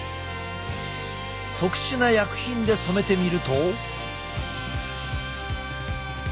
特殊な薬品で染めてみると。